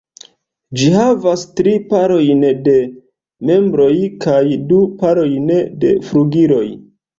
Ĝi havas tri parojn de membroj kaj du parojn de flugiloj.